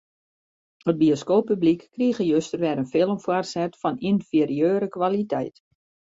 It bioskooppublyk krige juster wer in film foarset fan ynferieure kwaliteit.